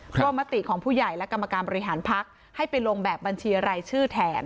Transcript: เพราะมติของผู้ใหญ่และกรรมการบริหารพักให้ไปลงแบบบัญชีรายชื่อแทน